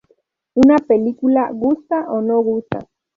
Una película gusta o no gusta.